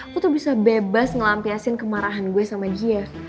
gue tuh bisa bebas ngelampiasin kemarahan gue sama gf